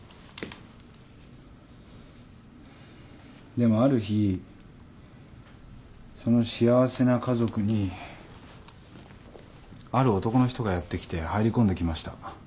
でもある日その幸せな家族にある男の人がやってきて入り込んできました。